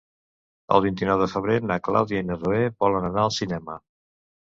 El vint-i-nou de febrer na Clàudia i na Zoè volen anar al cinema.